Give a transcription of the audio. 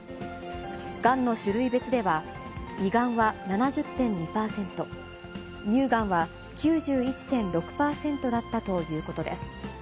がんの種類別では、胃がんは７０．２％、乳がんは９１．６％だったということです。